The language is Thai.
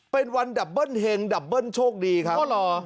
เป็นวันดับเบิ้ลเฮงดับเบิ้ลโชคดีครับ